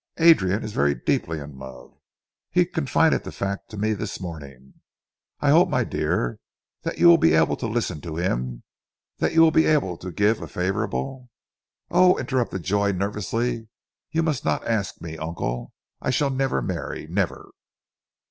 Adrian is very deeply in love. He confided the fact to me this morning.... I hope, my dear, that you will be able to listen to him, that you will be able to give a favourable " "Oh!" interrupted Joy nervously, "you must not ask me, uncle. I shall never marry. Never!"